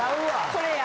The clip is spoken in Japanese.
これや。